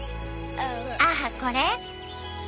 ああこれ？